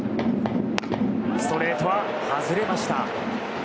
ストレートは外れました。